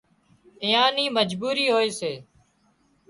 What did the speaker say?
اويئان نِي مجبُوري هوئي سي